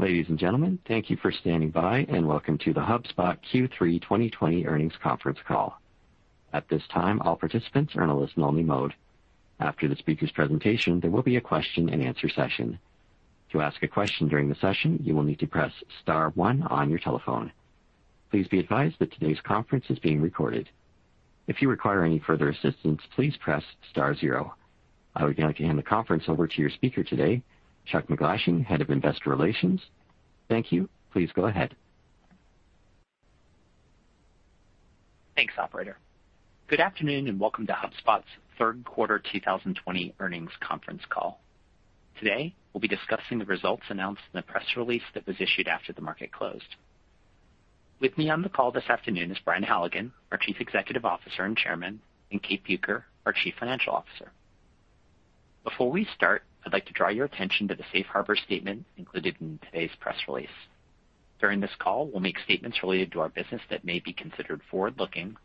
Ladies and gentlemen, thank you for standing by, and welcome to the HubSpot Q3 2020 Earnings Conference Call. At this time all participants are in listen-only mode. After the speaker presentation, there will be a question and answer session. To ask a question during session, you need to press star one on your telephone. Please be advised that today’s conference is being recorded. If you require any further assistance, please press star zero. I would like to hand the conference over to your speaker today, Chuck MacGlashing, Head of Investor Relations. Thank you. Please go ahead. Thanks, operator. Good afternoon. Welcome to HubSpot's Third Quarter 2020 Earnings Conference Call. Today, we'll be discussing the results announced in the press release that was issued after the market closed. With me on the call this afternoon is Brian Halligan, our Chief Executive Officer and Chairman, and Kate Bueker, our Chief Financial Officer. Before we start, I'd like to draw your attention to the safe harbor statement included in today's press release. During this call, we'll make statements related to our business that may be considered forward-looking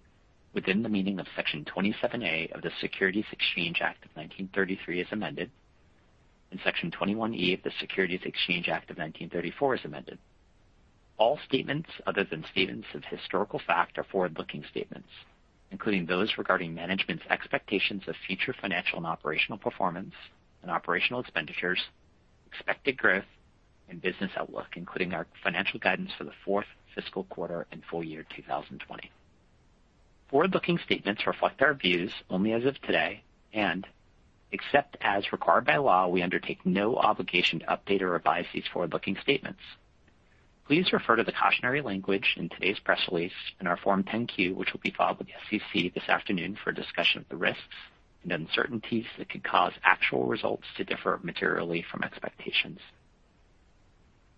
within the meaning of Section 27A of the Securities Act of 1933 as amended and Section 21E of the Securities Exchange Act of 1934 as amended. All statements other than statements of historical fact are forward-looking statements, including those regarding management's expectations of future financial and operational performance and operational expenditures, expected growth, and business outlook, including our financial guidance for the fourth fiscal quarter and full year 2020. Forward-looking statements reflect our views only as of today, and except as required by law, we undertake no obligation to update or revise these forward-looking statements. Please refer to the cautionary language in today's press release and our Form 10-Q, which will be filed with the SEC this afternoon for a discussion of the risks and uncertainties that could cause actual results to differ materially from expectations.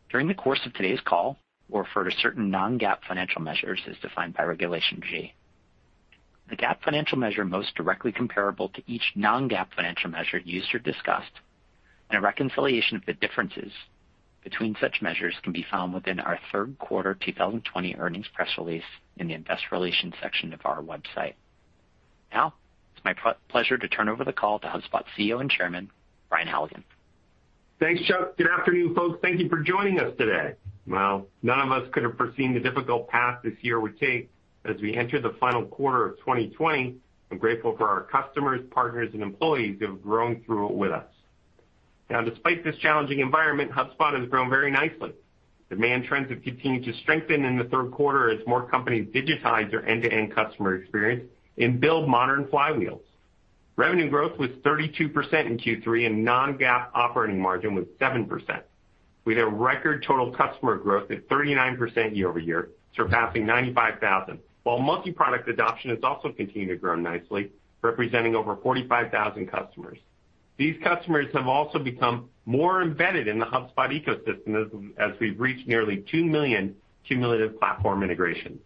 During the course of today's call, we'll refer to certain non-GAAP financial measures as defined by Regulation G. The GAAP financial measure most directly comparable to each non-GAAP financial measure used or discussed, and a reconciliation of the differences between such measures can be found within our third quarter 2020 earnings press release in the investor relations section of our website. Now, it's my pleasure to turn over the call to HubSpot CEO and Chairman, Brian Halligan. Thanks, Chuck. Good afternoon, folks. Thank you for joining us today. Well, none of us could have foreseen the difficult path this year would take as we enter the final quarter of 2020. I'm grateful for our customers, partners, and employees who have grown through it with us. Now, despite this challenging environment, HubSpot has grown very nicely. Demand trends have continued to strengthen in the third quarter as more companies digitize their end-to-end customer experience and build modern flywheels. Revenue growth was 32% in Q3, and non-GAAP operating margin was 7%. We had a record total customer growth of 39% year-over-year, surpassing 95,000, while multi-product adoption has also continued to grow nicely, representing over 45,000 customers. These customers have also become more embedded in the HubSpot ecosystem as we've reached nearly 2 million cumulative platform integrations.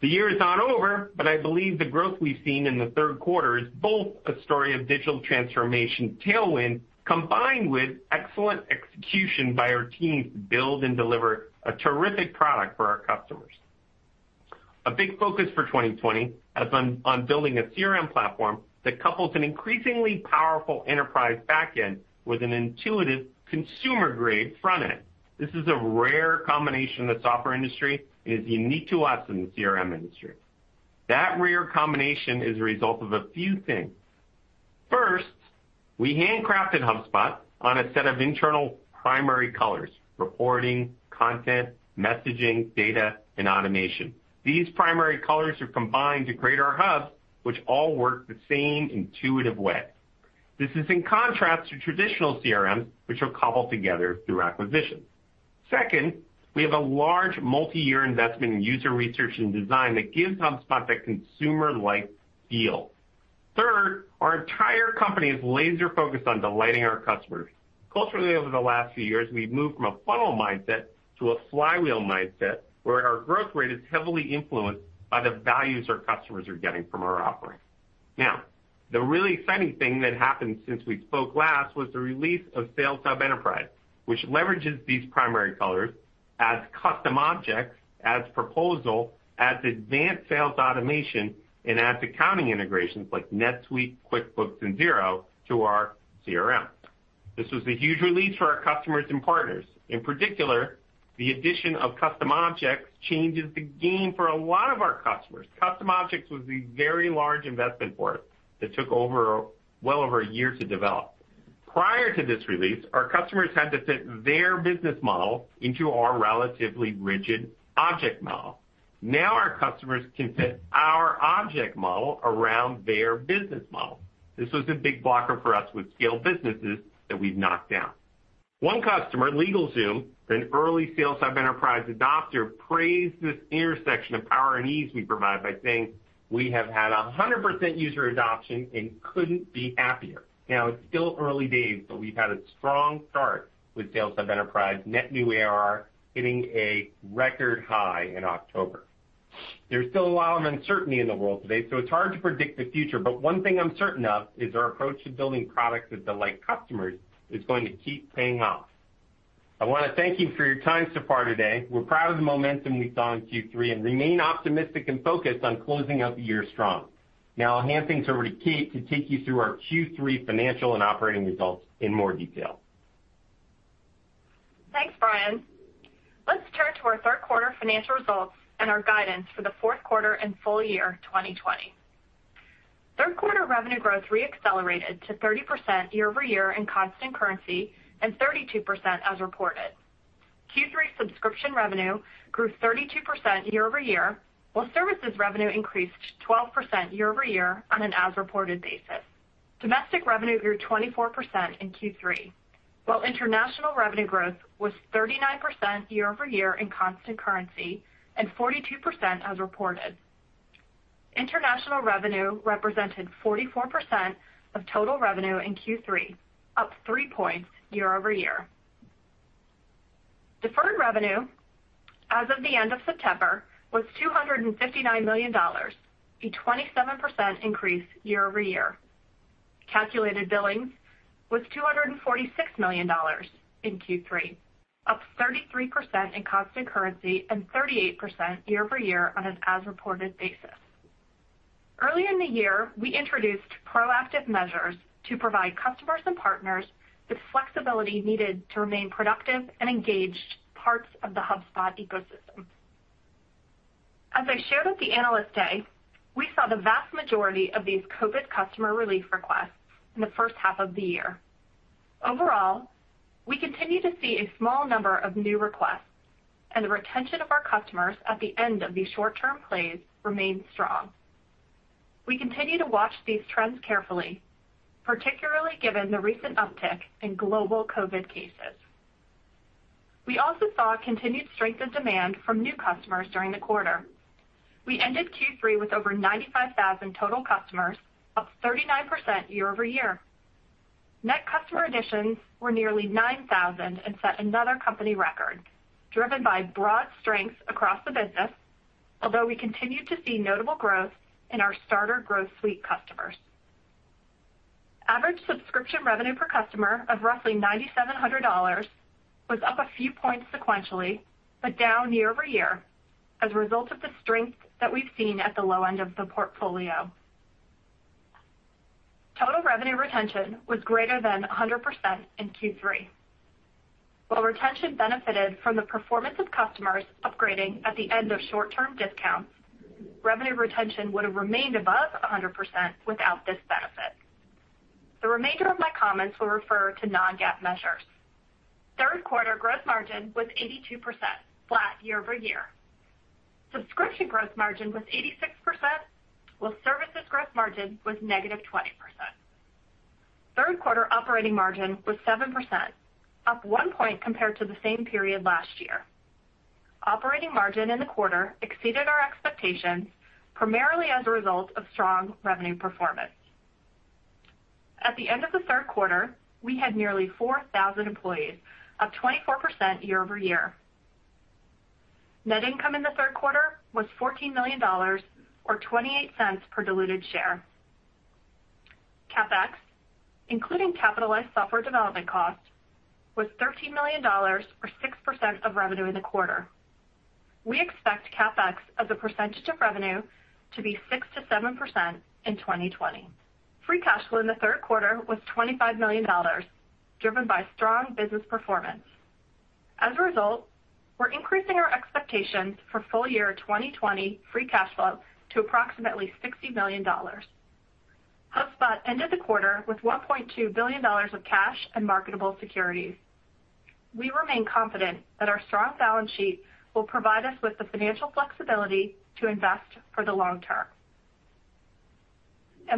The year is not over, but I believe the growth we've seen in the third quarter is both a story of digital transformation tailwind combined with excellent execution by our teams to build and deliver a terrific product for our customers. A big focus for 2020 has been on building a CRM platform that couples an increasingly powerful enterprise back end with an intuitive consumer-grade front end. This is a rare combination in the software industry and is unique to us in the CRM industry. That rare combination is a result of a few things. First, we handcrafted HubSpot on a set of internal primary colors, reporting, content, messaging, data, and automation. These primary colors are combined to create our hub, which all work the same intuitive way. This is in contrast to traditional CRMs, which are cobbled together through acquisitions. Second, we have a large multi-year investment in user research and design that gives HubSpot that consumer-like feel. Third, our entire company is laser-focused on delighting our customers. Culturally, over the last few years, we've moved from a funnel mindset to a flywheel mindset, where our growth rate is heavily influenced by the values our customers are getting from our offering. The really exciting thing that happened since we spoke last was the release of Sales Hub Enterprise, which leverages these primary colors, adds custom objects, adds proposal, adds advanced sales automation, and adds accounting integrations like NetSuite, QuickBooks, and Xero to our CRM. This was a huge relief for our customers and partners. In particular, the addition of custom objects changes the game for a lot of our customers. Custom objects was a very large investment for us that took well over a year to develop. Prior to this release, our customers had to fit their business model into our relatively rigid object model. Now, our customers can fit our object model around their business model. This was a big blocker for us with scale businesses that we've knocked down. One customer, LegalZoom, an early Sales Hub Enterprise adopter, praised this intersection of power and ease we provide by saying, we have had 100% user adoption and couldn't be happier. Now, it's still early days, we've had a strong start with Sales Hub Enterprise net new ARR hitting a record high in October. There's still a lot of uncertainty in the world today, so it's hard to predict the future. One thing I'm certain of is our approach to building products that delight customers is going to keep paying off. I want to thank you for your time so far today. We're proud of the momentum we saw in Q3 and remain optimistic and focused on closing out the year strong. Now I'll hand things over to Kate to take you through our Q3 financial and operating results in more detail. Thanks, Brian. Let's turn to our third quarter financial results and our guidance for the fourth quarter and full year 2020. Third quarter revenue growth re-accelerated to 30% year-over-year in constant currency and 32% as reported. Q3 subscription revenue grew 32% year-over-year, while services revenue increased 12% year-over-year on an as-reported basis. Domestic revenue grew 24% in Q3, while international revenue growth was 39% year-over-year in constant currency and 42% as reported. International revenue represented 44% of total revenue in Q3, up three points year-over-year. Deferred revenue as of the end of September was $259 million, a 27% increase year-over-year. Calculated billings was $246 million in Q3, up 33% in constant currency and 38% year-over-year on an as-reported basis. Earlier in the year, we introduced proactive measures to provide customers and partners the flexibility needed to remain productive and engaged parts of the HubSpot ecosystem. As I shared at the Analyst Day, we saw the vast majority of these COVID customer relief requests in the first half of the year. Overall, we continue to see a small number of new requests, and the retention of our customers at the end of these short-term plays remains strong. We continue to watch these trends carefully, particularly given the recent uptick in global COVID cases. We also saw continued strength and demand from new customers during the quarter. We ended Q3 with over 95,000 total customers, up 39% year-over-year. Net customer additions were nearly 9,000 and set another company record, driven by broad strengths across the business, although we continued to see notable growth in our Starter Growth Suite customers. Average subscription revenue per customer of roughly $9,700 was up a few points sequentially, but down year-over-year as a result of the strength that we've seen at the low end of the portfolio. Total revenue retention was greater than 100% in Q3. While retention benefited from the performance of customers upgrading at the end of short-term discounts, revenue retention would have remained above 100% without this benefit. The remainder of my comments will refer to non-GAAP measures. Third quarter gross margin was 82%, flat year-over-year. Subscription gross margin was 86%, while services gross margin was -20%. Third quarter operating margin was 7%, up one point compared to the same period last year. Operating margin in the quarter exceeded our expectations, primarily as a result of strong revenue performance. At the end of the third quarter, we had nearly 4,000 employees, up 24% year-over-year. Net income in the third quarter was $14 million, or $0.28 per diluted share. CapEx, including capitalized software development costs, was $13 million, or 6% of revenue in the quarter. We expect CapEx as a percentage of revenue to be 6%-7% in 2020. Free cash flow in the third quarter was $25 million, driven by strong business performance. As a result, we're increasing our expectations for full year 2020 free cash flow to approximately $60 million. HubSpot ended the quarter with $1.2 billion of cash and marketable securities. We remain confident that our strong balance sheet will provide us with the financial flexibility to invest for the long term.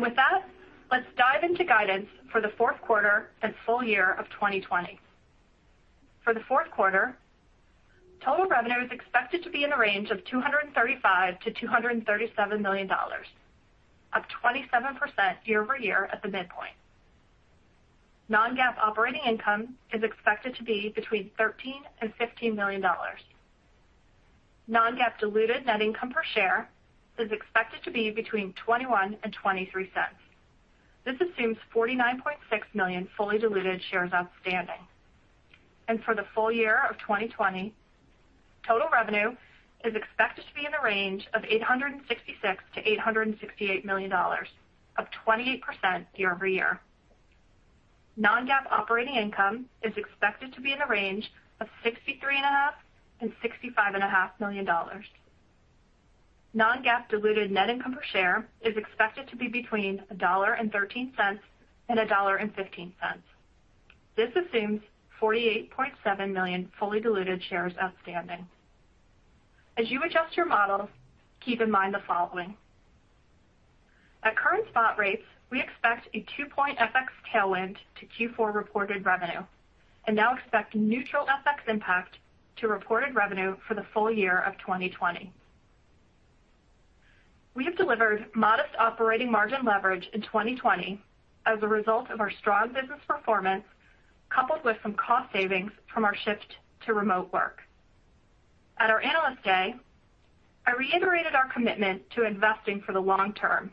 With that, let's dive into guidance for the fourth quarter and full year of 2020. For the fourth quarter, total revenue is expected to be in the range of $235 million-$237 million, up 27% year-over-year at the midpoint. non-GAAP operating income is expected to be between $13 and $15 million. non-GAAP diluted net income per share is expected to be between $0.21 and $0.23. This assumes 49.6 million fully diluted shares outstanding. For the full year of 2020, total revenue is expected to be in the range of $866 million-$868 million, up 28% year-over-year. non-GAAP operating income is expected to be in the range of $63.5 million and $65.5 million. non-GAAP diluted net income per share is expected to be between $1.13 and $1.15. This assumes 48.7 million fully diluted shares outstanding. As you adjust your models, keep in mind the following. At current spot rates, we expect a two-point FX tailwind to Q4 reported revenue and now expect neutral FX impact to reported revenue for the full year of 2020. We have delivered modest operating margin leverage in 2020 as a result of our strong business performance, coupled with some cost savings from our shift to remote work. At our Analyst Day, I reiterated our commitment to investing for the long term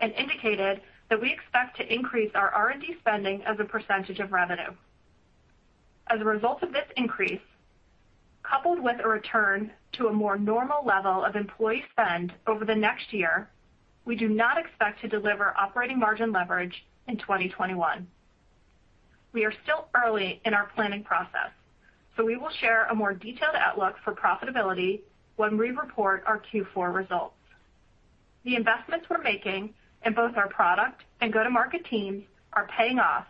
and indicated that we expect to increase our R&D spending as a percentage of revenue. As a result of this increase, coupled with a return to a more normal level of employee spend over the next year, we do not expect to deliver operating margin leverage in 2021. We are still early in our planning process. We will share a more detailed outlook for profitability when we report our Q4 results. The investments we're making in both our product and go-to-market teams are paying off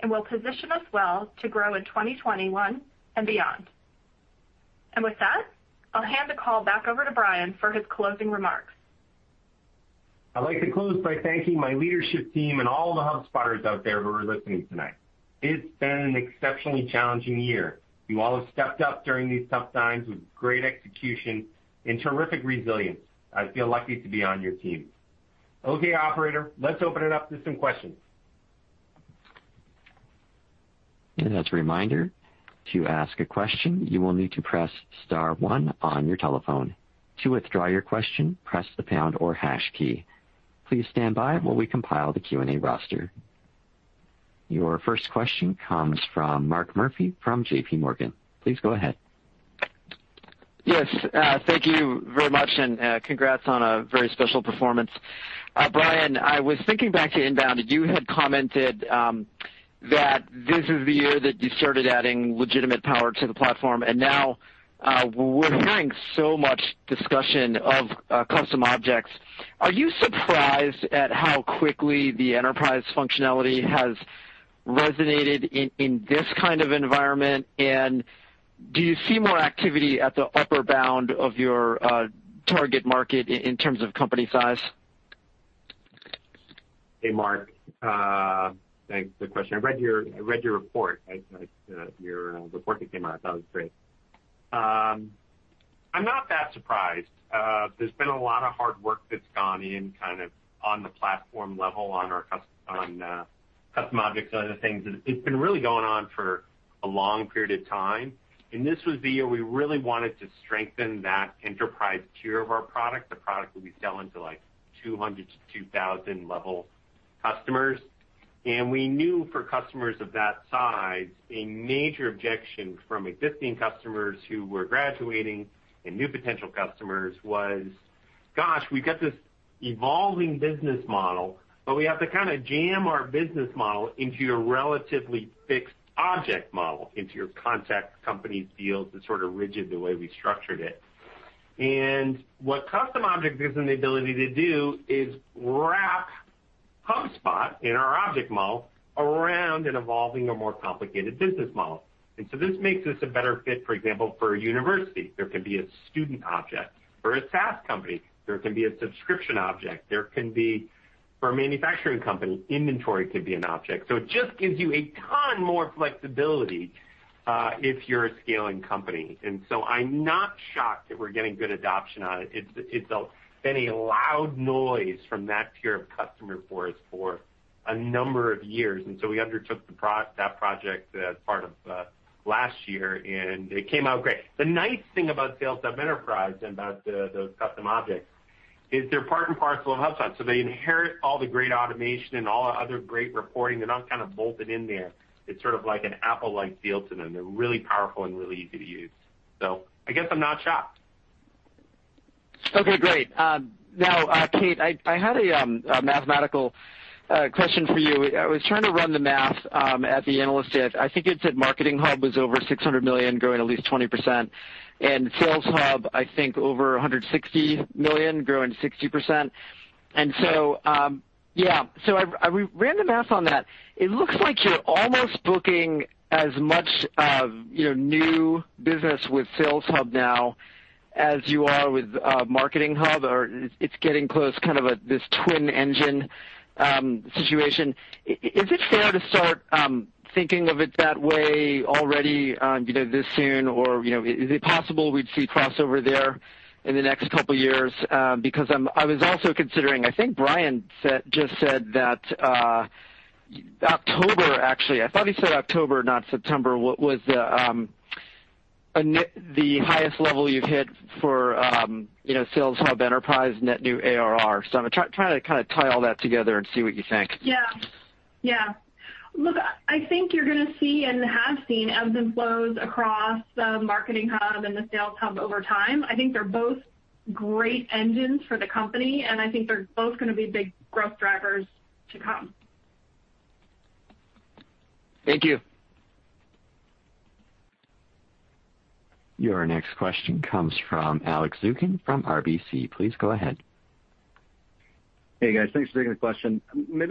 and will position us well to grow in 2021 and beyond. With that, I'll hand the call back over to Brian for his closing remarks. I'd like to close by thanking my leadership team and all the HubSpotters out there who are listening tonight. It's been an exceptionally challenging year. You all have stepped up during these tough times with great execution and terrific resilience. I feel lucky to be on your team. Okay, operator, let's open it up to some questions. As a reminder to ask a question you only to press star one on your telephone. To withdraw your question, press the pound or hash key. Please stand by while we compile the Q&A roster. Your first question comes from Mark Murphy from JPMorgan. Please go ahead. Yes. Thank you very much, and congrats on a very special performance. Brian, I was thinking back to INBOUND, and you had commented that this is the year that you started adding legitimate power to the platform, and now we're hearing so much discussion of custom objects. Are you surprised at how quickly the enterprise functionality has resonated in this kind of environment? Do you see more activity at the upper bound of your target market in terms of company size? Hey, Mark. Thanks. Good question. I read your report that came out. I thought it was great. I'm not that surprised. There's been a lot of hard work that's gone in, kind of on the platform level, on custom objects and other things. It's been really going on for a long period of time. This was the year we really wanted to strengthen that enterprise tier of our product, the product that we sell into like 200 to 2,000 level customers. We knew for customers of that size, a major objection from existing customers who were graduating and new potential customers was, gosh, we've got this evolving business model, but we have to kind of jam our business model into your relatively fixed object model, into your contact company's fields. It's sort of rigid the way we structured it. What custom object gives them the ability to do is wrap HubSpot in our object model around an evolving or more complicated business model. This makes us a better fit, for example, for a university. There can be a student object. For a SaaS company, there can be a subscription object. There can be, for a manufacturing company, inventory can be an object. It just gives you a ton more flexibility, if you're a scaling company. I'm not shocked that we're getting good adoption on it. It's been a loud noise from that tier of customer for us for a number of years. We undertook that project as part of last year, and it came out great. The nice thing about Sales Hub Enterprise and about those custom objects is they're part and parcel of HubSpot, so they inherit all the great automation and all other great reporting. They're not kind of bolted in there. It's sort of like an Apple-like feel to them. They're really powerful and really easy to use. I guess I'm not shocked. Okay, great. Kate, I had a mathematical question for you. I was trying to run the math at the Analyst Day. I think it said Marketing Hub was over $600 million, growing at least 20%, Sales Hub, I think, over $160 million, growing 60%. Yeah. I ran the math on that. It looks like you're almost booking as much of new business with Sales Hub now as you are with Marketing Hub, or it's getting close, kind of this twin engine situation. Is it fair to start thinking of it that way already this soon? Is it possible we'd see crossover there in the next couple of years? I was also considering, I think Brian just said that October, actually, I thought he said October, not September, was the highest level you've hit for Sales Hub Enterprise net new ARR. I'm trying to kind of tie all that together and see what you think. Yeah. Look, I think you're going to see, and have seen, ebbs and flows across the Marketing Hub and the Sales Hub over time. I think they're both great engines for the company, and I think they're both going to be big growth drivers to come. Thank you. Your next question comes from Alex Zukin from RBC. Please go ahead. Hey, guys. Thanks for taking the question.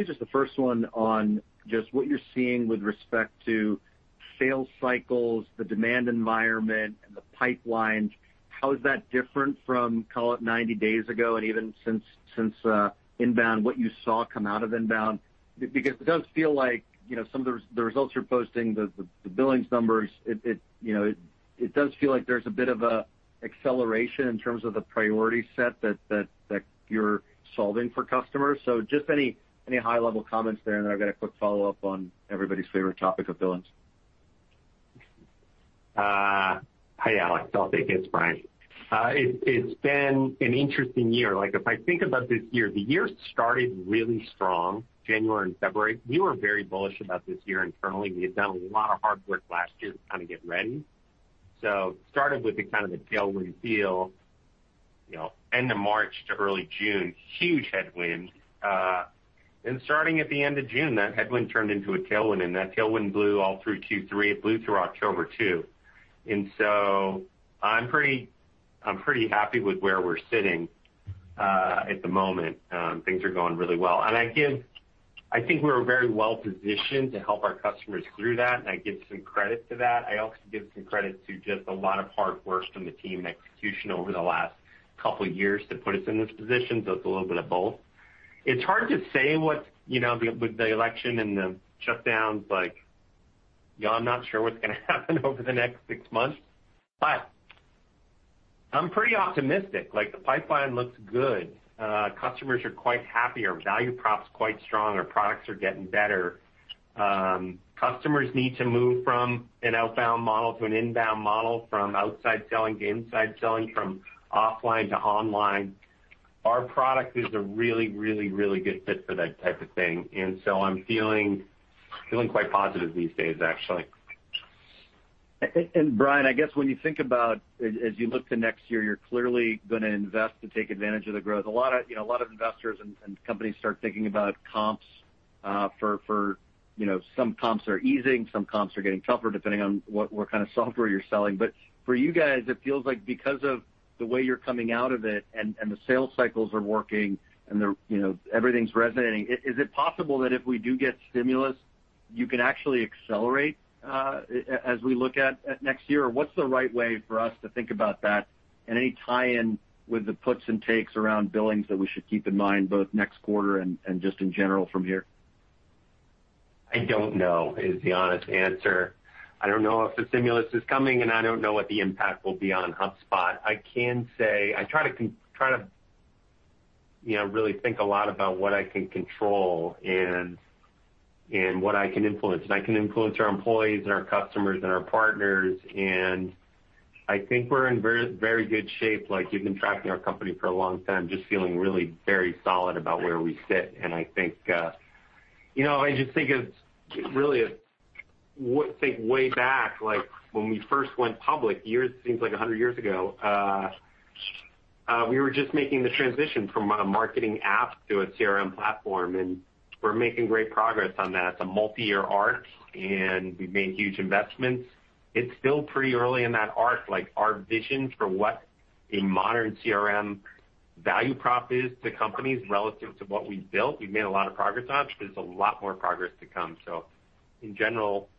Just the first one on just what you're seeing with respect to sales cycles, the demand environment, and the pipelines. How is that different from, call it, 90 days ago and even since INBOUND, what you saw come out of INBOUND? It does feel like some of the results you're posting, the billings numbers, it does feel like there's a bit of an acceleration in terms of the priority set that you're solving for customers. Just any high-level comments there, and then I've got a quick follow-up on everybody's favorite topic of billings. Hi, Alex. I'll take it. It's Brian. It's been an interesting year. If I think about this year, the year started really strong, January and February. We were very bullish about this year internally. We had done a lot of hard work last year to kind of get ready. Started with the kind of the tailwind feel, end of March to early June, huge headwind. Starting at the end of June, that headwind turned into a tailwind, and that tailwind blew all through Q3. It blew through October, too. I'm pretty happy with where we're sitting at the moment. Things are going really well. I think we're very well-positioned to help our customers through that, and I give some credit to that. I also give some credit to just a lot of hard work from the team and execution over the last couple years to put us in this position. It's a little bit of both. It's hard to say with the election and the shutdowns, I'm not sure what's going to happen over the next six months, but I'm pretty optimistic. The pipeline looks good. Customers are quite happy. Our value prop's quite strong. Our products are getting better. Customers need to move from an outbound model to an inbound model, from outside selling to inside selling, from offline to online. Our product is a really good fit for that type of thing, and so I'm feeling quite positive these days, actually. Brian, I guess when you think about, as you look to next year, you're clearly going to invest to take advantage of the growth. A lot of investors and companies start thinking about comps for some comps are easing, some comps are getting tougher depending on what kind of software you're selling. For you guys, it feels like because of the way you're coming out of it and the sales cycles are working and everything's resonating, is it possible that if we do get stimulus, you can actually accelerate, as we look at next year? What's the right way for us to think about that? Any tie-in with the puts and takes around billings that we should keep in mind, both next quarter and just in general from here? I don't know is the honest answer. I don't know if the stimulus is coming, and I don't know what the impact will be on HubSpot. I can say, I try to really think a lot about what I can control and what I can influence. I can influence our employees and our customers and our partners, and I think we're in very good shape. You've been tracking our company for a long time, just feeling really very solid about where we sit. I just think it's really, think way back, when we first went public, seems like 100 years ago, we were just making the transition from a marketing app to a CRM platform, and we're making great progress on that. It's a multi-year arc, and we've made huge investments. It's still pretty early in that arc. Our vision for what a modern CRM value prop is to companies relative to what we've built, we've made a lot of progress on, but there's a lot more progress to come. In general,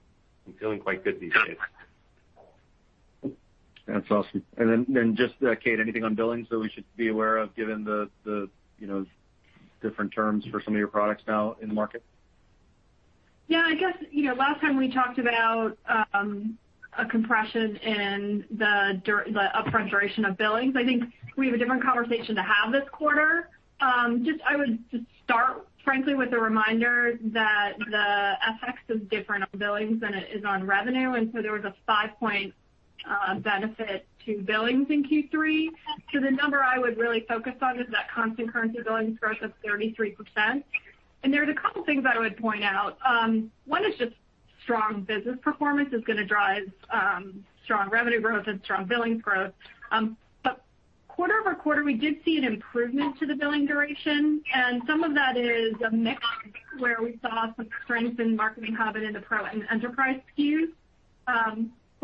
I'm feeling quite good these days. That's awesome. Just, Kate, anything on billings that we should be aware of given the different terms for some of your products now in the market? Yeah, I guess, last time we talked about a compression in the upfront duration of billings. I think we have a different conversation to have this quarter. I would just start, frankly, with a reminder that the FX is different on billings than it is on revenue. There was a five-point benefit to billings in Q3. The number I would really focus on is that constant currency billings growth of 33%. There's a couple things I would point out. One is just strong business performance is going to drive strong revenue growth and strong billings growth. Quarter-over-quarter, we did see an improvement to the billing duration, and some of that is a mix where we saw some strength in Marketing Hub and in the Pro and Enterprise SKUs.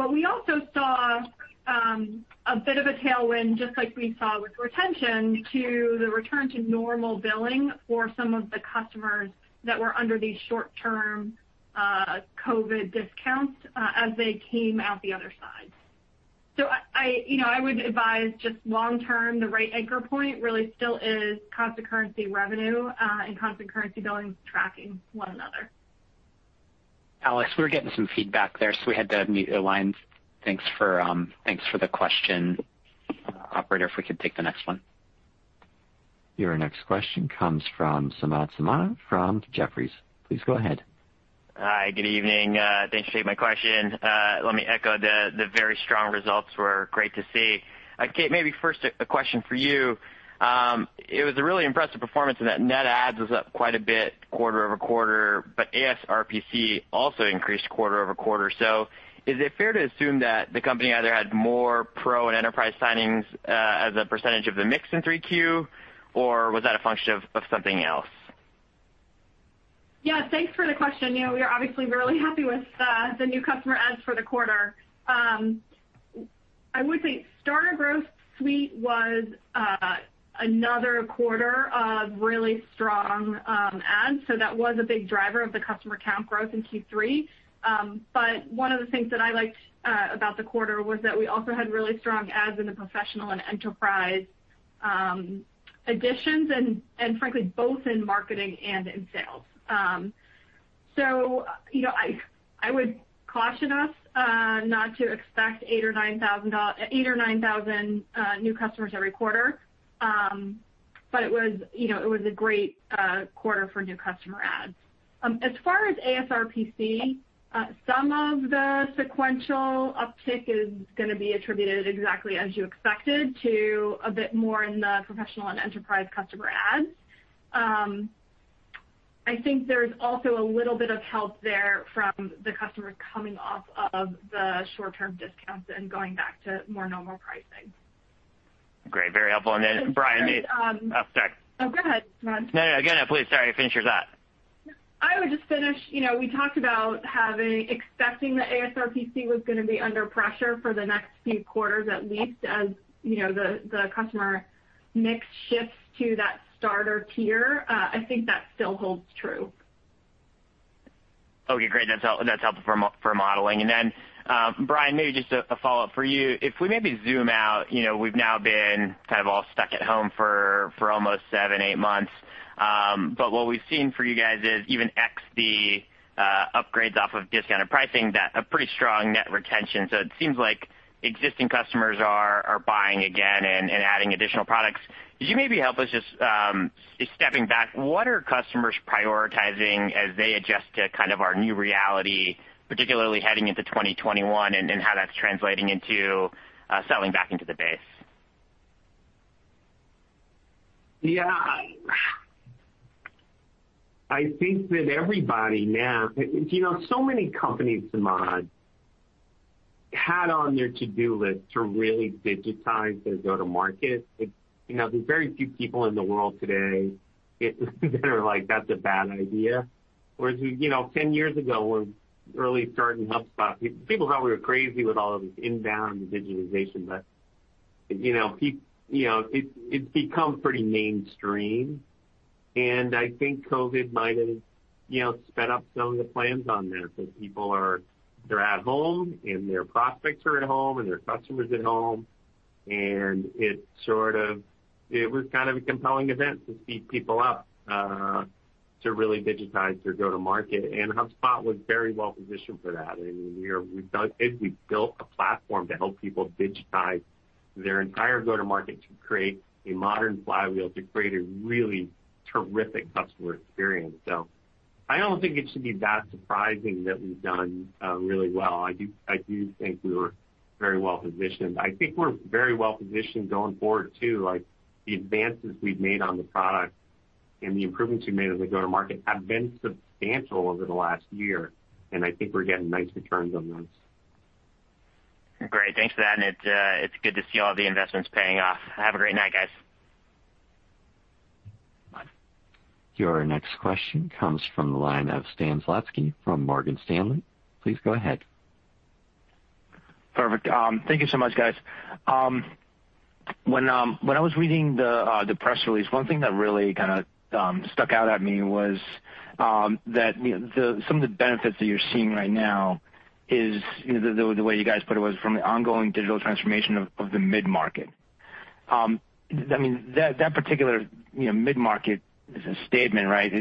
We also saw a bit of a tailwind, just like we saw with retention, to the return to normal billing for some of the customers that were under these short-term COVID discounts, as they came out the other side. I would advise just long term, the right anchor point really still is constant currency revenue, and constant currency billings tracking one another. Alex, we're getting some feedback there, so we had to mute the lines. Thanks for the question. Operator, if we could take the next one. Your next question comes from Samad Samana from Jefferies. Please go ahead. Hi, good evening. Thanks for taking my question. Let me echo the very strong results were great to see. Kate, maybe first a question for you. It was a really impressive performance in that net adds was up quite a bit quarter-over-quarter, but ASRPC also increased quarter-over-quarter. Is it fair to assume that the company either had more Pro and Enterprise signings, as a percentage of the mix in 3Q, or was that a function of something else? Yeah. Thanks for the question. We are obviously really happy with the new customer adds for the quarter. I would say Starter Growth Suite was another quarter of really strong adds. That was a big driver of the customer count growth in Q3. One of the things that I liked about the quarter was that we also had really strong adds in the Professional and Enterprise additions, and frankly, both in marketing and in sales. I would caution us not to expect 8,000 or 9,000 new customers every quarter. It was a great quarter for new customer adds. As far as ASRPC, some of the sequential uptick is going to be attributed exactly as you expected to a bit more in the Professional and Enterprise customer adds. I think there's also a little bit of help there from the customers coming off of the short-term discounts and going back to more normal pricing. Great. Very helpful. Brian. Samad. Sorry. Go ahead, Samad. No, go ahead, please. Sorry. Finish your thought. I would just finish, we talked about expecting the ASRPC was going to be under pressure for the next few quarters, at least as the customer mix shifts to that starter tier. I think that still holds true. Okay, great. That's helpful for modeling. Brian, maybe just a follow-up for you. If we maybe zoom out, we've now been kind of all stuck at home for almost seven, eight months. What we've seen for you guys is even X the upgrades off of discounted pricing, a pretty strong net retention. It seems like existing customers are buying again and adding additional products. Could you maybe help us, just stepping back, what are customers prioritizing as they adjust to kind of our new reality, particularly heading into 2021, and how that's translating into selling back into the base? Yeah. I think that everybody now, so many companies, Samad, had on their to-do list to really digitize their go-to-market. There's very few people in the world today that are like, that's a bad idea. 10 years ago, when we were early starting HubSpot, people thought we were crazy with all of this inbound digitization. It's become pretty mainstream, and I think COVID might have sped up some of the plans on this, as people are at home, and their prospects are at home, and their customer's at home. It was kind of a compelling event to speed people up to really digitize their go-to-market. HubSpot was very well-positioned for that. We built a platform to help people digitize their entire go-to-market to create a modern flywheel, to create a really terrific customer experience. I don't think it should be that surprising that we've done really well. I do think we were very well-positioned. I think we're very well-positioned going forward, too. The advances we've made on the product and the improvements we've made on the go-to-market have been substantial over the last year, and I think we're getting nice returns on those. Great. Thanks for that, and it's good to see all the investments paying off. Have a great night, guys. Bye. Your next question comes from the line of Stan Zlotsky from Morgan Stanley. Please go ahead. Perfect. Thank you so much, guys. When I was reading the press release, one thing that really kind of stuck out at me was that some of the benefits that you're seeing right now is, the way you guys put it was, from the ongoing digital transformation of the mid-market. That particular mid-market is a statement, right?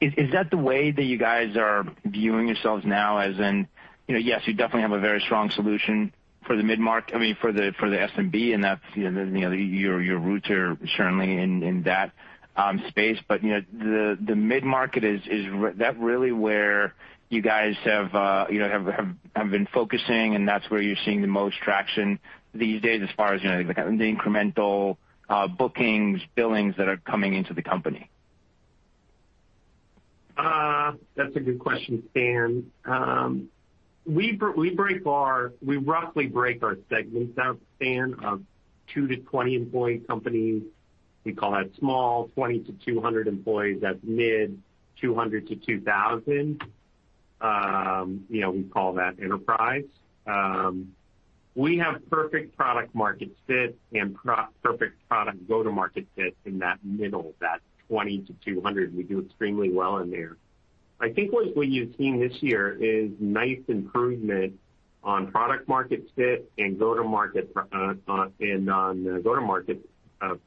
Is that the way that you guys are viewing yourselves now as in, yes, you definitely have a very strong solution for the SMB, and your roots are certainly in that space, but the mid-market, is that really where you guys have been focusing, and that's where you're seeing the most traction these days as far as the incremental bookings, billings that are coming into the company? That's a good question, Stan. We roughly break our segments out, Stan, of two to 20 employee company, we call that small, 20 to 200 employees, that's mid, 200 to 2,000, we call that enterprise. We have perfect product-market fit and perfect product go-to-market fit in that middle, that 20 to 200. We do extremely well in there. I think what you've seen this year is nice improvement on product-market fit and go-to-market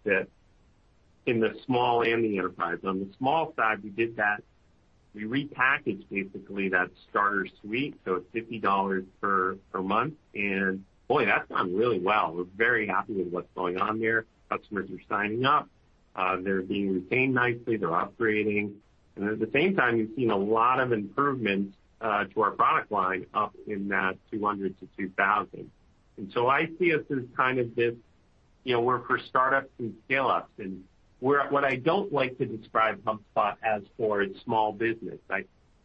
fit in the small and the enterprise. On the small side, we did that, we repackaged basically that Starter Growth Suite, so it's $50 per month. Boy, that's done really well. We're very happy with what's going on there. Customers are signing up. They're being retained nicely. They're upgrading. At the same time, we've seen a lot of improvement to our product line up in that 200 to 2,000. I see us as kind of this, we're for startups and scale-ups. What I don't like to describe HubSpot as for is small business.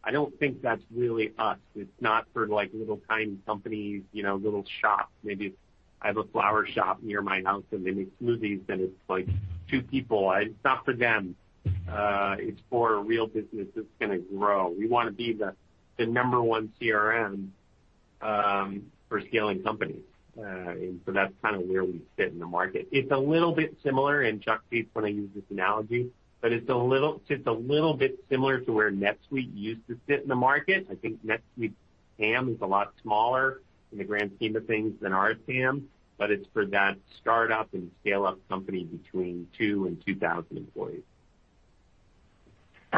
I don't think that's really us. It's not for little, tiny companies, little shops. Maybe I have a flower shop near my house, and they make smoothies, and it's two people. It's not for them. It's for a real business that's going to grow. We want to be the number one CRM for scaling companies. That's kind of where we fit in the market. It's a little bit similar, and Chuck hates when I use this analogy, but it's just a little bit similar to where NetSuite used to sit in the market. I think NetSuite's TAM is a lot smaller in the grand scheme of things than our TAM, but it's for that startup and scale-up company between two and 2,000 employees.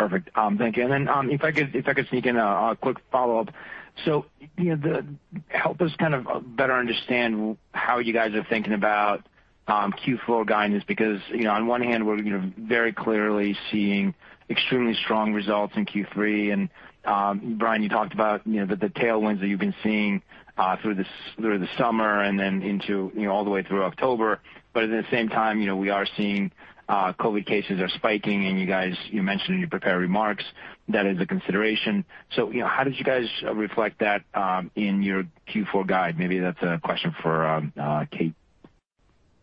Perfect. Thank you. If I could sneak in a quick follow-up. Help us better understand how you guys are thinking about Q4 guidance, because, on one hand, we're very clearly seeing extremely strong results in Q3. Brian, you talked about the tailwinds that you've been seeing through the summer and then all the way through October. At the same time, we are seeing COVID cases are spiking, and you mentioned in your prepared remarks that is a consideration. How did you guys reflect that in your Q4 guide? Maybe that's a question for Kate.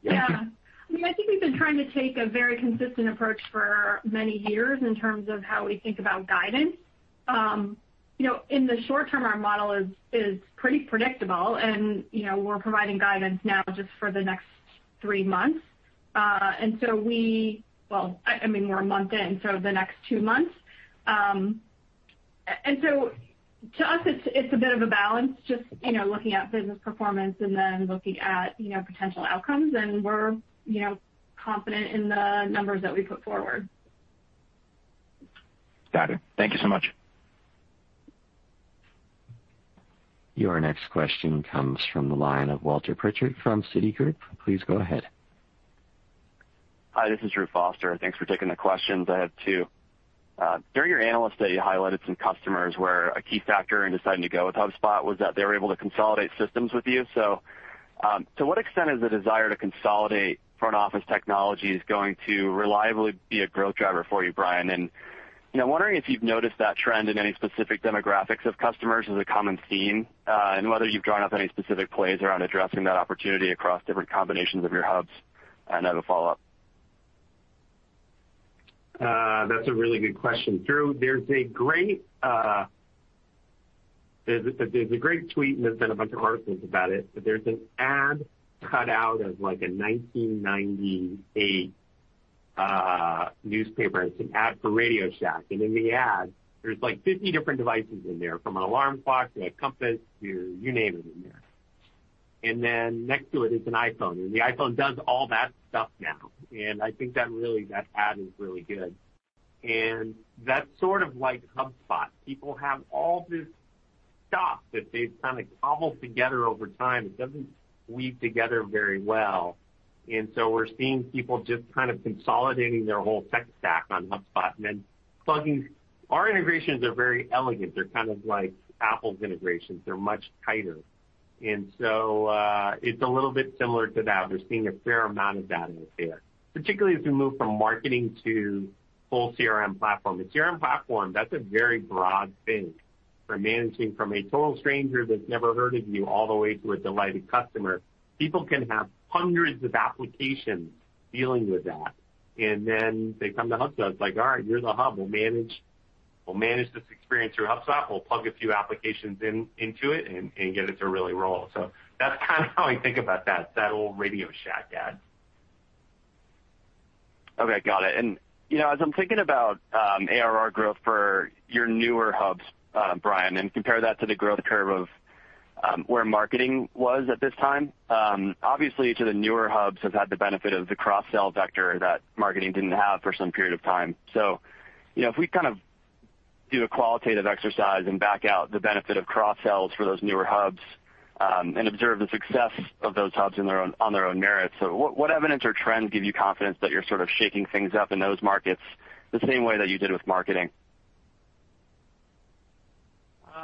Yeah. I think we've been trying to take a very consistent approach for many years in terms of how we think about guidance. In the short term, our model is pretty predictable, and we're providing guidance now just for the next three months. Well, we're a month in, so the next two months. To us, it's a bit of a balance, just looking at business performance and then looking at potential outcomes. We're confident in the numbers that we put forward. Got it. Thank you so much. Your next question comes from the line of Walter Pritchard from Citigroup. Please go ahead. Hi, this is Drew Foster. Thanks for taking the questions. I have two. During your Analyst Day, you highlighted some customers where a key factor in deciding to go with HubSpot was that they were able to consolidate systems with you. To what extent is the desire to consolidate front office technologies going to reliably be a growth driver for you, Brian? I'm wondering if you've noticed that trend in any specific demographics of customers as a common theme, and whether you've drawn up any specific plays around addressing that opportunity across different combinations of your hubs? I have a follow-up. That's a really good question, Drew. There's a great tweet, and there's been a bunch of articles about it, but there's an ad cut out of, like, a 1998 newspaper. It's an ad for RadioShack. In the ad, there's like 50 different devices in there, from an alarm clock to a compass to you name it in there. Then next to it is an iPhone, and the iPhone does all that stuff now. I think that ad is really good. That's sort of like HubSpot. People have all this stuff that they've kind of cobbled together over time. It doesn't weave together very well. So we're seeing people just consolidating their whole tech stack on HubSpot and then plugging Our integrations are very elegant. They're kind of like Apple's integrations. They're much tighter. So, it's a little bit similar to that. We're seeing a fair amount of that in the theater, particularly as we move from marketing to full CRM platform. A CRM platform, that's a very broad thing for managing from a total stranger that's never heard of you, all the way to a delighted customer. People can have hundreds of applications dealing with that, and then they come to HubSpot. It's like, all right, you're the hub. We'll manage this experience through HubSpot. We'll plug a few applications into it and get it to really roll. That's kind of how I think about that old RadioShack ad. Okay, got it. As I'm thinking about ARR growth for your newer Hubs, Brian, and compare that to the growth curve of where Marketing was at this time. Obviously, to the newer Hubs has had the benefit of the cross-sell vector that Marketing didn't have for some period of time. If we kind of do a qualitative exercise and back out the benefit of cross-sells for those newer Hubs, and observe the success of those Hubs on their own merits, what evidence or trends give you confidence that you're sort of shaking things up in those markets the same way that you did with Marketing?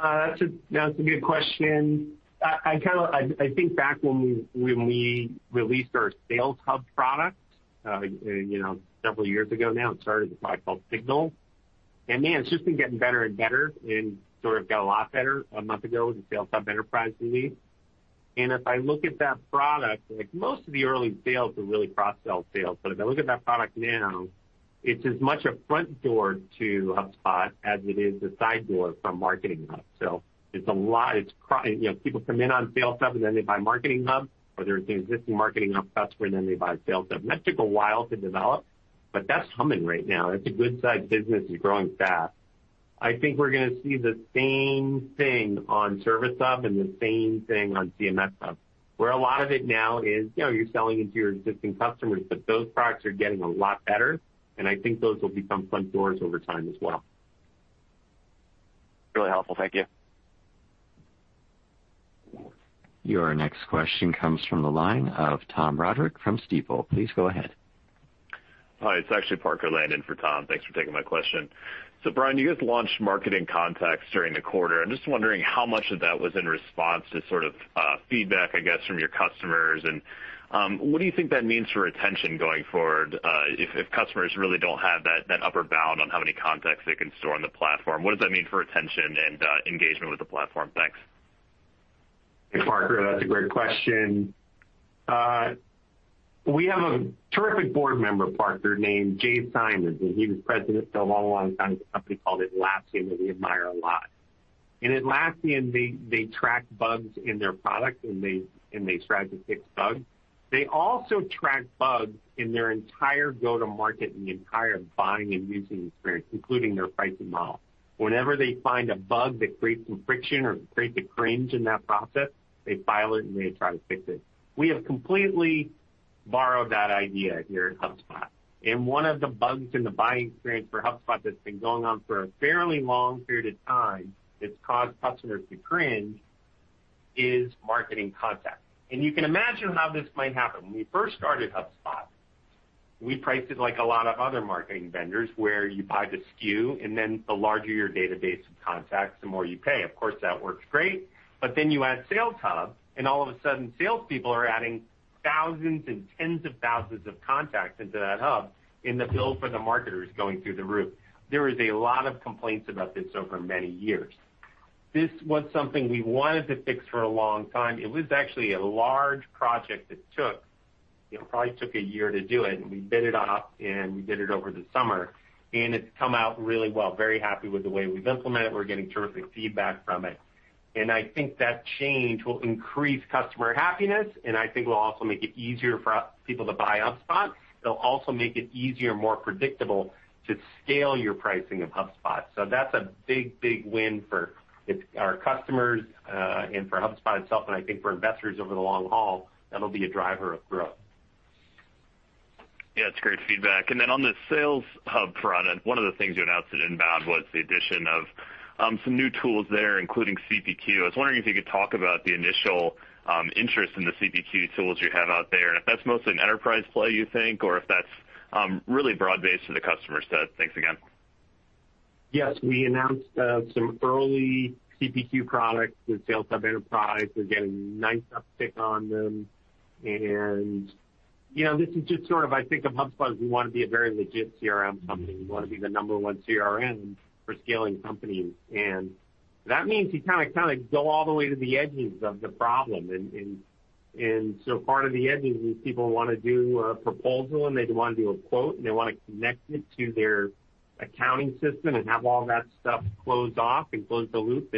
That's a good question. I think back when we released our Sales Hub product, several years ago now, it started as a product called Signals. Man, it's just been getting better and better, and sort of got a lot better a month ago with the Sales Hub Enterprise release. If I look at that product, like, most of the early sales were really cross-sell sales. If I look at that product now, it's as much a front door to HubSpot as it is a side door from Marketing Hub. People come in on Sales Hub, and then they buy Marketing Hub, or they're an existing Marketing Hub customer, then they buy Sales Hub. That took a while to develop, but that's humming right now. That's a good-sized business and growing fast. I think we're going to see the same thing on Service Hub and the same thing on CMS Hub, where a lot of it now is you're selling into your existing customers, but those products are getting a lot better, and I think those will become front doors over time as well. Really helpful. Thank you. Your next question comes from the line of Tom Roderick from Stifel. Please go ahead. Hi, it's actually Parker Lane for Tom. Thanks for taking my question. Brian, you guys launched Marketing Contacts during the quarter. I'm just wondering how much of that was in response to sort of feedback, I guess, from your customers, and what do you think that means for retention going forward? If customers really don't have that upper bound on how many contacts they can store on the platform, what does that mean for retention and engagement with the platform? Thanks. Hey, Parker. That's a great question. We have a terrific board member, Parker, named Jay Simons, and he was president for a long, long time at a company called Atlassian, that we admire a lot. In Atlassian, they track bugs in their product, and they try to fix bugs. They also track bugs in their entire go-to-market and the entire buying and using experience, including their pricing model. Whenever they find a bug that creates some friction or creates a cringe in that process, they file it, and they try to fix it. We have completely borrowed that idea here at HubSpot. One of the bugs in the buying experience for HubSpot that's been going on for a fairly long period of time that's caused customers to cringe is Marketing Contacts. You can imagine how this might happen. When we first started HubSpot, we priced it like a lot of other marketing vendors, where you buy the SKU and the larger your database of contacts, the more you pay. Of course, that works great. You add Sales Hub, and all of a sudden, salespeople are adding thousands and tens of thousands of contacts into that hub, and the bill for the marketer is going through the roof. There is a lot of complaints about this over many years. This was something we wanted to fix for a long time. It was actually a large project that probably took a year to do it, and we bid it out, and we did it over the summer, and it's come out really well. Very happy with the way we've implemented it. We're getting terrific feedback from it. I think that change will increase customer happiness, and I think will also make it easier for people to buy HubSpot. It'll also make it easier, more predictable to scale your pricing of HubSpot. That's a big win for our customers, and for HubSpot itself, and I think for investors over the long haul, that'll be a driver of growth. Yeah, it's great feedback. On the Sales Hub front, one of the things you announced at INBOUND was the addition of some new tools there, including CPQ. I was wondering if you could talk about the initial interest in the CPQ tools you have out there, and if that's mostly an enterprise play, you think, or if that's really broad-based to the customer set. Thanks again. Yes. We announced some early CPQ products with Sales Hub Enterprise. We're getting nice uptick on them. This is just sort of, I think at HubSpot, we want to be a very legit CRM company. We want to be the number one CRM for scaling companies, and that means you go all the way to the edges of the problem. Part of the edges is people want to do a proposal, and they want to do a quote, and they want to connect it to their accounting system and have all that stuff closed off and close the loop.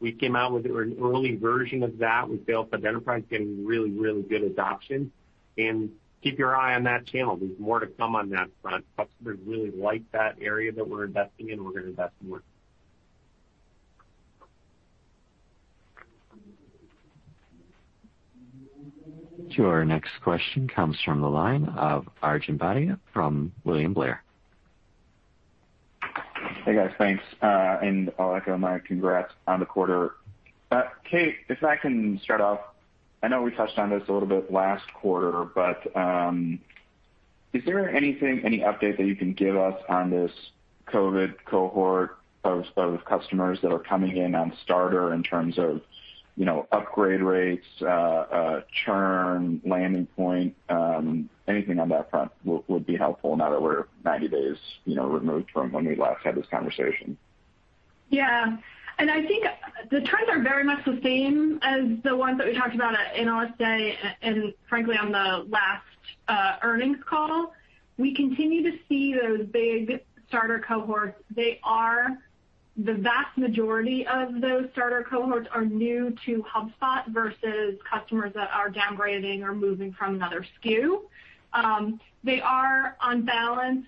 We came out with an early version of that with Sales Hub Enterprise, getting really good adoption. Keep your eye on that channel. There's more to come on that front. Customers really like that area that we're investing in. We're going to invest more. Sure. Next question comes from the line of Arjun Bhatia from William Blair. Hey, guys. Thanks. I'll echo my congrats on the quarter. Kate, if I can start off, I know we touched on this a little bit last quarter, but is there anything, any update that you can give us on this COVID cohort of customers that are coming in on Starter in terms of upgrade rates, churn, landing point? Anything on that front would be helpful now that we're 90 days removed from when we last had this conversation. Yeah. I think the trends are very much the same as the ones that we talked about at Analyst Day, and frankly, on the last earnings call. We continue to see those big Starter cohorts. The vast majority of those Starter cohorts are new to HubSpot versus customers that are downgrading or moving from another SKU. They are, on balance,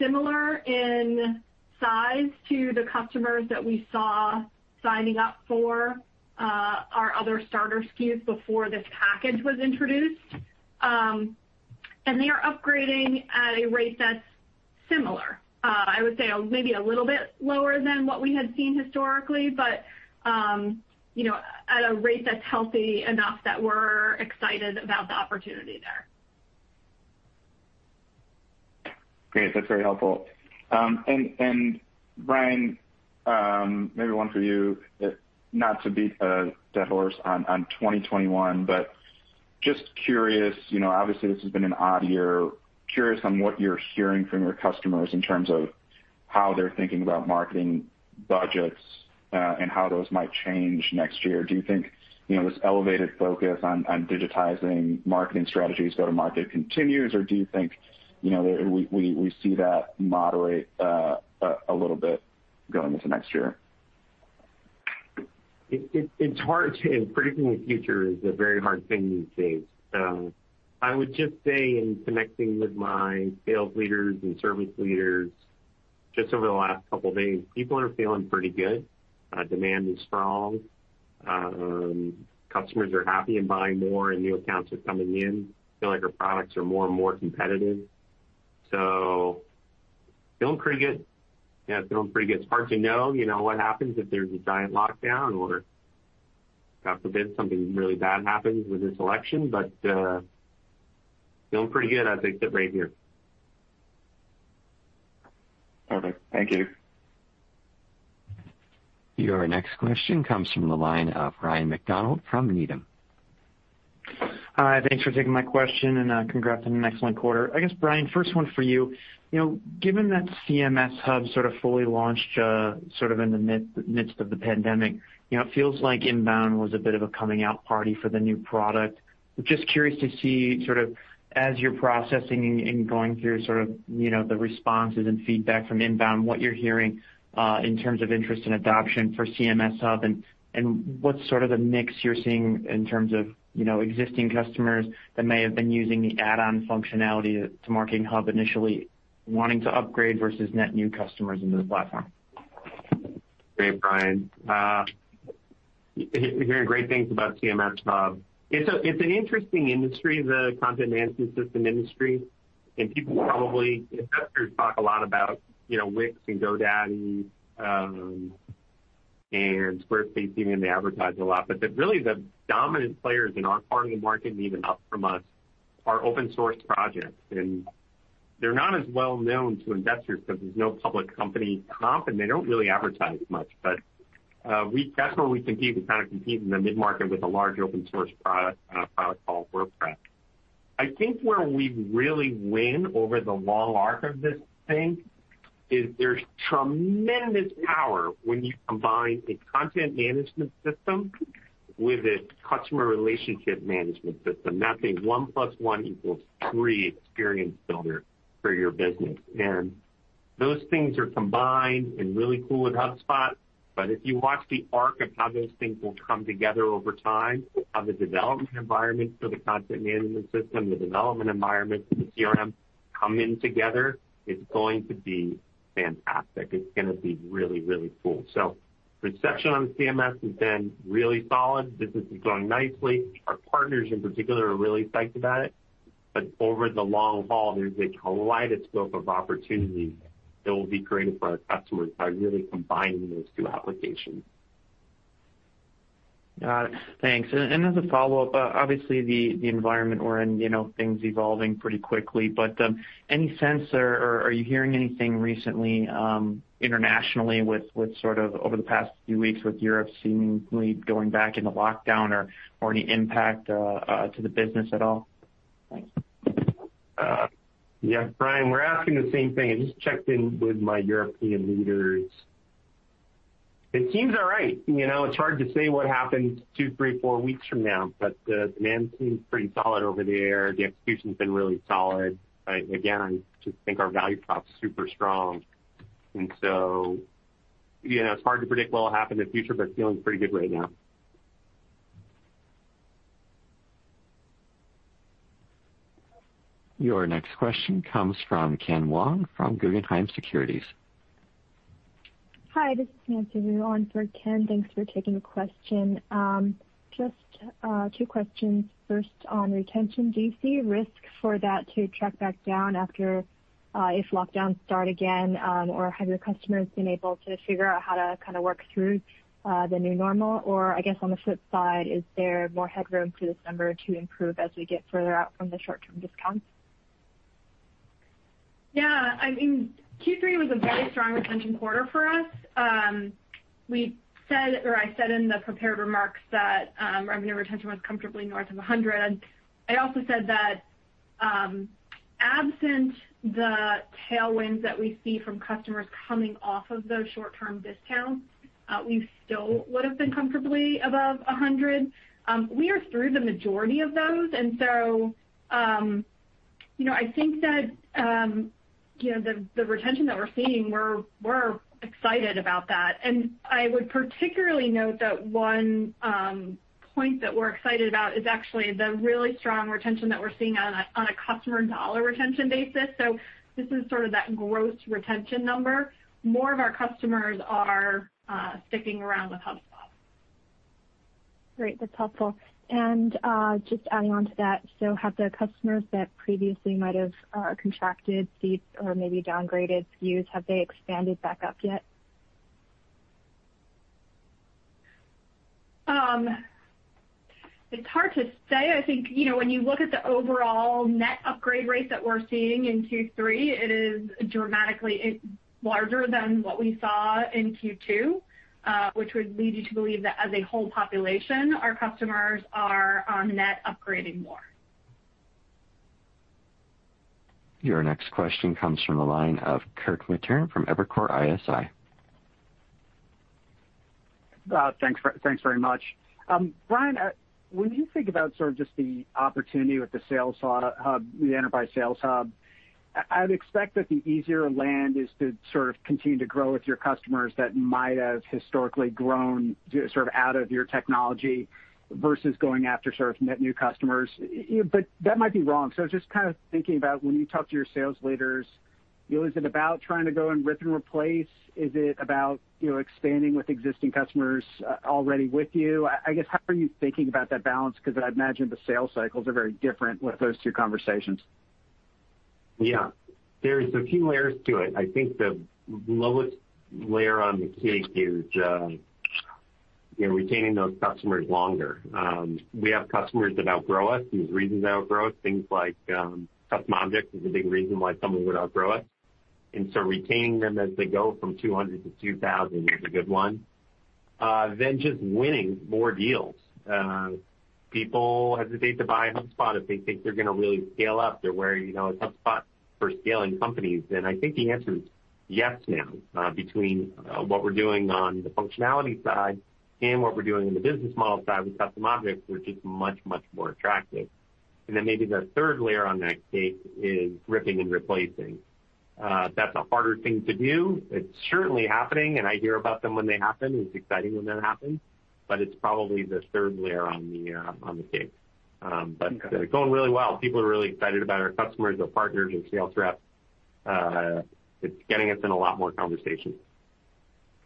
similar in size to the customers that we saw signing up for our other Starter SKUs before this package was introduced. They are upgrading at a rate that's similar. I would say maybe a little bit lower than what we had seen historically, but at a rate that's healthy enough that we're excited about the opportunity there. Great. That's very helpful. Brian, maybe one for you. Not to beat a dead horse on 2021, just curious, obviously this has been an odd year, curious on what you're hearing from your customers in terms of how they're thinking about marketing budgets, and how those might change next year. Do you think this elevated focus on digitizing marketing strategies go to market continues, or do you think we see that moderate a little bit going into next year? Predicting the future is a very hard thing these days. I would just say in connecting with my sales leaders and service leaders just over the last couple of days, people are feeling pretty good. Demand is strong. Customers are happy and buying more. New accounts are coming in. I feel like our products are more and more competitive. Feeling pretty good. Yeah, feeling pretty good. It's hard to know what happens if there's a giant lockdown or, God forbid, something really bad happens with this election. Feeling pretty good as I sit right here. Perfect. Thank you. Your next question comes from the line of Ryan MacDonald from Needham. Hi. Thanks for taking my question and congrats on an excellent quarter. I guess, Brian, first one for you. Given that CMS Hub sort of fully launched in the midst of the pandemic, it feels like INBOUND was a bit of a coming out party for the new product. Just curious to see as you're processing and going through the responses and feedback from INBOUND, what you're hearing, in terms of interest and adoption for CMS Hub and what sort of mix you're seeing in terms of existing customers that may have been using the add-on functionality to Marketing Hub initially wanting to upgrade versus net new customers into the platform? Great, Ryan. Hearing great things about CMS, Ryan. It's an interesting industry, the content management system industry. People, investors talk a lot about Wix and GoDaddy, and Squarespace even they advertise a lot. Really the dominant players in our part of the market and even up from us are open source projects. They're not as well known to investors because there's no public company comp and they don't really advertise much. That's where we compete. We compete in the mid-market with a large open source product, a product called WordPress. I think where we really win over the long arc of this thing is there's tremendous power when you combine a content management system with a customer relationship management system. That's a one plus one equals three experience builder for your business. Those things are combined and really cool with HubSpot, but if you watch the arc of how those things will come together over time, how the development environment for the content management system, the development environment for the CRM come in together, it's going to be fantastic. It's going to be really, really cool. Reception on CMS has been really solid. Business is going nicely. Our partners in particular are really psyched about it. Over the long haul, there's a kaleidoscope of opportunities that will be created for our customers by really combining those two applications. Got it. Thanks. As a follow-up, obviously the environment we're in, things evolving pretty quickly, but any sense or are you hearing anything recently, internationally with sort of over the past few weeks with Europe seemingly going back into lockdown or any impact to the business at all? Thanks. Yeah. Ryan, we're asking the same thing. I just checked in with my European leaders. It seems all right. It's hard to say what happens two, three, four weeks from now, but the demand seems pretty solid over there. The execution's been really solid. Again, I just think our value prop's super strong. It's hard to predict what will happen in the future, but feeling pretty good right now. Your next question comes from Ken Wong from Guggenheim Securities. Hi, this is Nancy Liu on for Ken. Thanks for taking the question. Just two questions. First, on retention, do you see risk for that to track back down after, if lockdowns start again? Have your customers been able to figure out how to kind of work through the new normal? I guess on the flip side, is there more headroom for this number to improve as we get further out from the short-term discounts? Yeah. Q3 was a very strong retention quarter for us. I said in the prepared remarks that revenue retention was comfortably north of 100. I also said that absent the tailwinds that we see from customers coming off of those short-term discounts, we still would've been comfortably above 100. We are through the majority of those. I think that the retention that we're seeing, we're excited about that. I would particularly note that one point that we're excited about is actually the really strong retention that we're seeing on a customer dollar retention basis. This is sort of that gross retention number. More of our customers are sticking around with HubSpot. Great. That's helpful. Just adding onto that, have the customers that previously might have contracted seats or maybe downgraded SKUs, have they expanded back up yet? It's hard to say. I think, when you look at the overall net upgrade rate that we're seeing in Q3, it is dramatically larger than what we saw in Q2, which would lead you to believe that as a whole population, our customers are net upgrading more. Your next question comes from the line of Kirk Materne from Evercore ISI. Thanks very much. Brian, when you think about sort of just the opportunity with the enterprise Sales Hub, I'd expect that the easier land is to sort of continue to grow with your customers that might have historically grown sort of out of your technology versus going after sort of net new customers, but that might be wrong. Just kind of thinking about when you talk to your sales leaders, is it about trying to go and rip and replace? Is it about expanding with existing customers already with you? I guess, how are you thinking about that balance? Because I'd imagine the sales cycles are very different with those two conversations. There's a few layers to it. I think the lowest layer on the cake is retaining those customers longer. We have customers that outgrow us. There's reasons they outgrow us. Things like custom objects is a big reason why someone would outgrow us. Retaining them as they go from 200 to 2,000 is a good one. Just winning more deals. People hesitate to buy HubSpot if they think they're going to really scale up. They're wary, is HubSpot for scaling companies? I think the answer is yes now, between what we're doing on the functionality side and what we're doing on the business model side with custom objects, we're just much, much more attractive. Maybe the third layer on that cake is ripping and replacing. That's a harder thing to do. It's certainly happening. I hear about them when they happen. It's exciting when that happens. It's probably the third layer on the cake. It's going really well. People are really excited about our customers, our partners, our sales reps. It's getting us in a lot more conversations.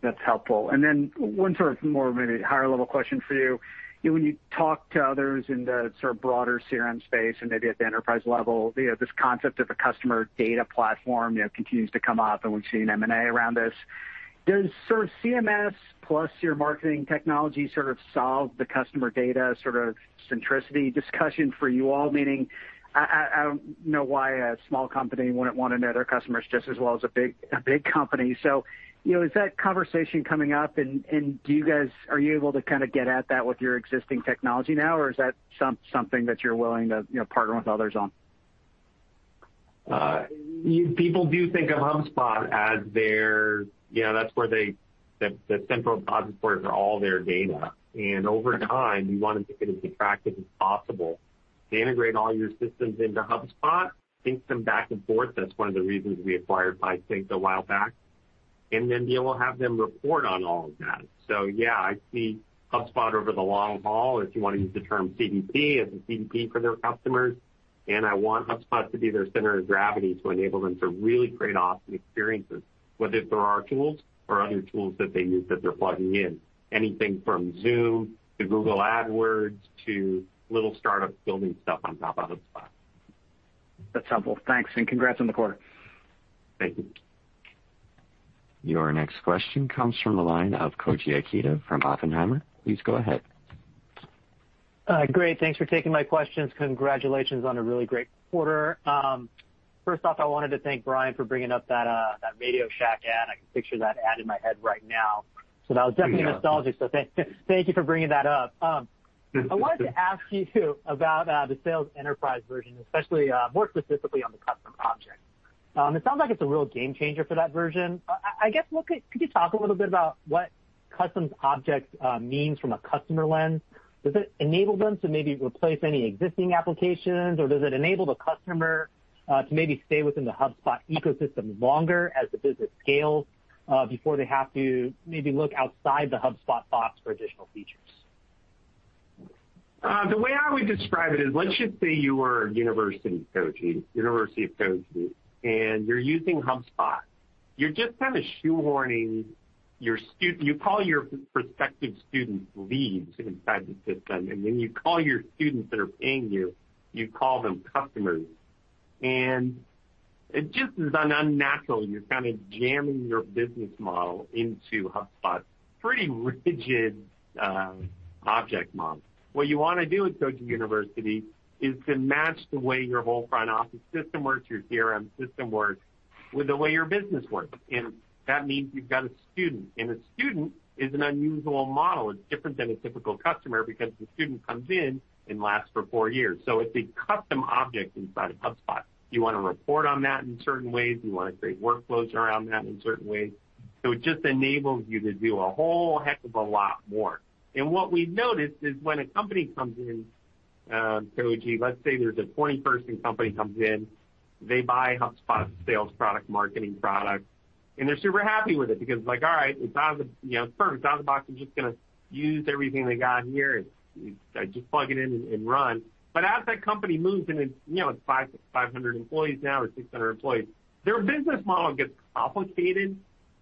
That's helpful. Then one sort of more maybe higher-level question for you. When you talk to others in the sort of broader CRM space and maybe at the enterprise level, this concept of a customer data platform continues to come up, and we've seen M&A around this. Does sort of CMS plus your marketing technology sort of solve the customer data sort of centricity discussion for you all? Meaning, I don't know why a small company wouldn't want to know their customers just as well as a big company. Is that conversation coming up, and are you able to kind of get at that with your existing technology now, or is that something that you're willing to partner with others on? People do think of HubSpot as the central deposit for all their data. Over time, we want to make it as attractive as possible to integrate all your systems into HubSpot, sync them back and forth. That's one of the reasons we acquired PieSync a while back. Then be able to have them report on all of that. Yeah, I see HubSpot over the long haul, if you want to use the term CDP, as a CDP for their customers. I want HubSpot to be their center of gravity to enable them to really create awesome experiences, whether through our tools or other tools that they use that they're plugging in. Anything from Zoom to Google AdWords to little startups building stuff on top of HubSpot. That's helpful. Thanks, and congrats on the quarter. Thank you. Your next question comes from the line of Koji Ikeda from Oppenheimer. Please go ahead. Great. Thanks for taking my questions. Congratulations on a really great quarter. First off, I wanted to thank Brian for bringing up that RadioShack ad. I can picture that ad in my head right now, so that was definitely nostalgic. Thank you for bringing that up. I wanted to ask you about the Sales Hub Enterprise version, especially more specifically on the custom objects. It sounds like it's a real game changer for that version. Could you talk a little bit about what custom objects means from a customer lens? Does it enable them to maybe replace any existing applications, or does it enable the customer to maybe stay within the HubSpot ecosystem longer as the business scales, before they have to maybe look outside the HubSpot box for additional features? The way I would describe it is, let's just say you are University of Koji, and you're using HubSpot. You're just kind of shoehorning your student. You call your prospective students leads inside the system, and when you call your students that are paying you call them customers. It just is unnatural. You're kind of jamming your business model into HubSpot's pretty rigid object model. What you want to do at Koji University is to match the way your whole front-office system works, your CRM system works, with the way your business works. And that means you've got a student, and a student is an unusual model. It's different than a typical customer because the student comes in and lasts for four years. So it's a custom object inside of HubSpot. You want to report on that in certain ways. You want to create workflows around that in certain ways. It just enables you to do a whole heck of a lot more. What we've noticed is when a company comes in, Koji, let's say there's a 20-person company comes in. They buy HubSpot sales product, marketing product, and they're super happy with it because it's like, all right, it's out of the box. I'm just going to use everything they got here. I just plug it in and run. As that company moves and it's 500 employees now or 600 employees, their business model gets complicated,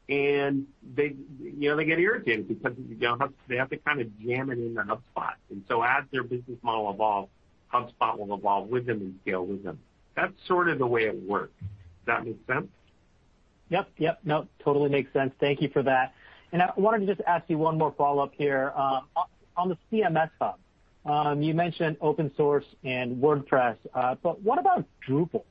and they get irritated because they have to kind of jam it into HubSpot. As their business model evolves, HubSpot will evolve with them and scale with them. That's sort of the way it works. Does that make sense? Yep. Nope. Totally makes sense. Thank you for that. I wanted to just ask you one more follow-up here. On the CMS Hub, you mentioned open source and WordPress, but what about Drupal?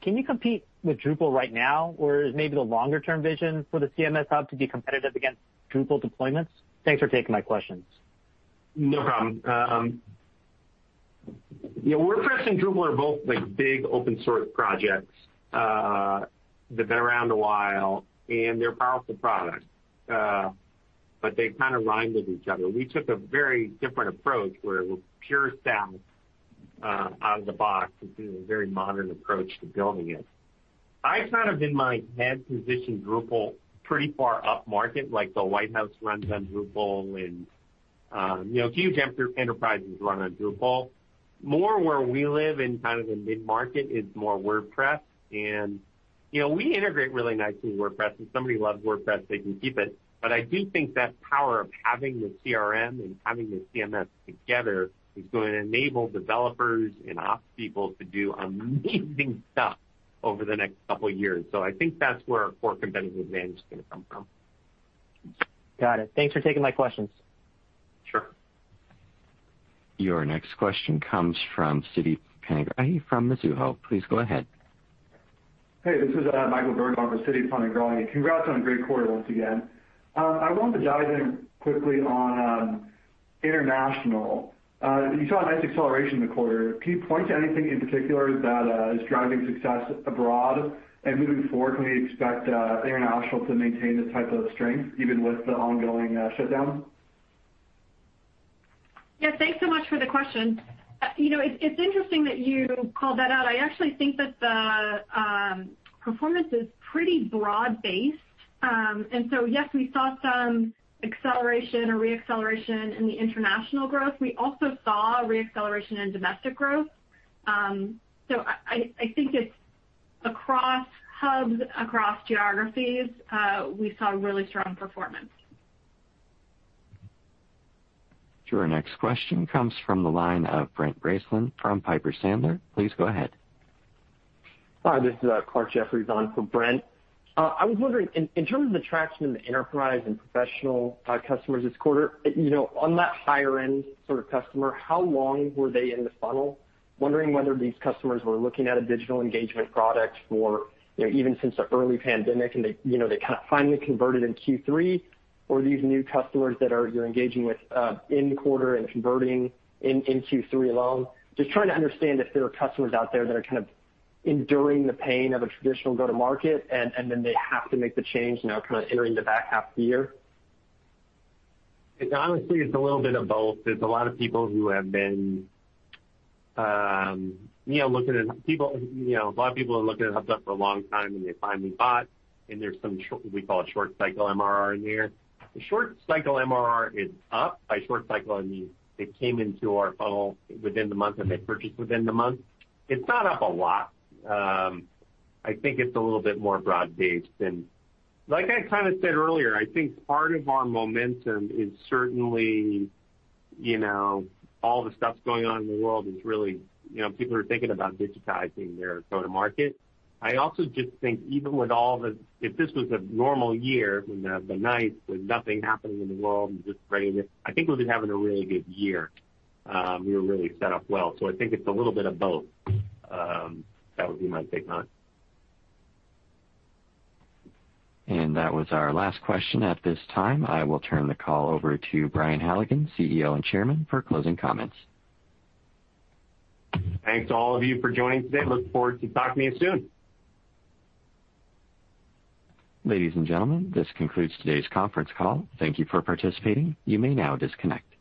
Can you compete with Drupal right now, or is maybe the longer-term vision for the CMS Hub to be competitive against Drupal deployments? Thanks for taking my questions. No problem. WordPress and Drupal are both big open source projects that have been around a while, and they're powerful products. They kind of rhyme with each other. We took a very different approach, where it was pure SaaS out of the box. It's been a very modern approach to building it. I've kind of, in my head, positioned Drupal pretty far upmarket, like the White House runs on Drupal, and huge enterprises run on Drupal. More where we live in kind of the mid-market is more WordPress. We integrate really nicely with WordPress. If somebody loves WordPress, they can keep it. I do think that power of having the CRM and having the CMS together is going to enable developers and ops people to do amazing stuff over the next couple of years. I think that's where our core competitive advantage is going to come from. Got it. Thanks for taking my questions. Sure. Your next question comes from Siti Panigrahi from Mizuho. Please go ahead. Hey, this is Michael Berg on for Siti. Congrats on a great quarter once again. I wanted to dive in quickly on international. You saw a nice acceleration in the quarter. Can you point to anything in particular that is driving success abroad? Moving forward, can we expect international to maintain this type of strength even with the ongoing shutdown? Yeah. Thanks so much for the question. It's interesting that you called that out. I actually think that the performance is pretty broad-based. Yes, we saw some acceleration or re-acceleration in the international growth. We also saw re-acceleration in domestic growth. I think it's across hubs, across geographies, we saw really strong performance. Sure. Next question comes from the line of Brent Bracelin from Piper Sandler. Please go ahead. Hi, this is Clarke Jeffries on for Brent. I was wondering in terms of the traction in the enterprise and professional customers this quarter, on that higher-end sort of customer, how long were they in the funnel? Wondering whether these customers were looking at a digital engagement product for even since the early pandemic, and they kind of finally converted in Q3, or these new customers that you're engaging with in quarter and converting in Q3 alone? Just trying to understand if there are customers out there that are kind of enduring the pain of a traditional go-to-market, and then they have to make the change now kind of entering the back half of the year. Honestly, it's a little bit of both. There's a lot of people who have been looking at HubSpot for a long time, and they finally bought, and there's some we call short cycle MRR in there. The short cycle MRR is up. By short cycle, I mean they came into our funnel within the month, and they purchased within the month. It's not up a lot. I think it's a little bit more broad-based than like I said earlier, I think part of our momentum is certainly all the stuff going on in the world is really, people are thinking about digitizing their go-to-market. I also just think even with all the, if this was a normal year, the ninth with nothing happening in the world and just ready to, I think we've been having a really good year. We were really set up well. I think it's a little bit of both. That would be my take on it. That was our last question. At this time, I will turn the call over to Brian Halligan, CEO and Chairman for closing comments. Thanks to all of you for joining today. Look forward to talking to you soon. Ladies and gentlemen, this concludes today's conference call. Thank you for participating. You may now disconnect.